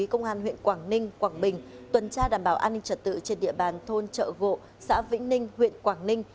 công an huyện quảng ninh quảng bình tuần tra đảm bảo an ninh trật tự trên địa bàn thôn trợ vộ xã vĩnh ninh huyện quảng ninh